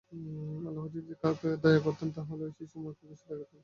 আল্লাহ্ যদি তাদের কাউকে দয়া করতেন, তাহলে ঐ শিশুর মাকে অবশ্যই দয়া করতেন।